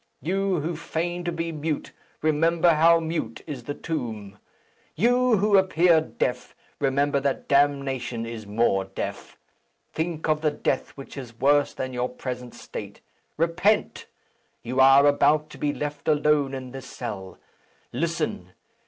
You, who feign to be mute, remember how mute is the tomb. You, who appear deaf, remember that damnation is more deaf. Think of the death which is worse than your present state. Repent! You are about to be left alone in this cell. Listen!